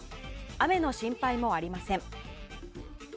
雨の心配もありません。